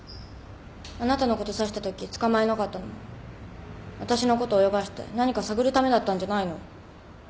あなたのこと刺したとき捕まえなかったのもわたしのこと泳がせて何か探るためだったんじゃないの？